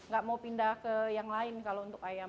gak mau pindah ke yang lain kalau untuk ayam